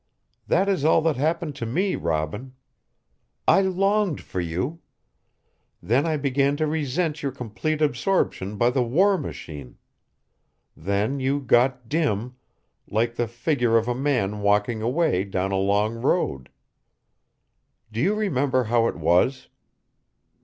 That is all that happened to me, Robin. I longed for you. Then I began to resent your complete absorption by the war machine. Then you got dim, like the figure of a man walking away down a long road. Do you remember how it was?